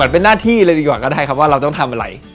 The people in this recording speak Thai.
เป็นหน้าที่เลยดีกว่าก็ได้ครับว่าเราต้องทำอะไร